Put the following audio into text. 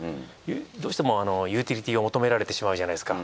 どうしてもユーティリティーを求められてしまうじゃないですか。